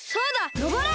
のぼれ